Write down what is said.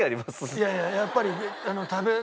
いやいやいややっぱり。